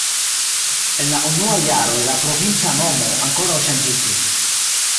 En la unuaj jaroj la provinca nomo ankoraŭ ŝanĝiĝis.